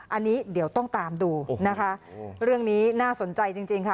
อันนี้เดี๋ยวต้องตามดูนะคะเรื่องนี้น่าสนใจจริงจริงค่ะ